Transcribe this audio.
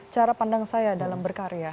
cara pandang saya dalam berkarya